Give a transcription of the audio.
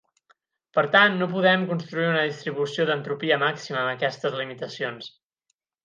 Per tant, no podem construir una distribució d'entropia màxima amb aquestes limitacions.